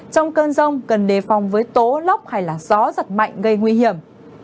trong cơn rông cần đề phòng với tố lóc hay là gió giật mạnh gây nguy hiểm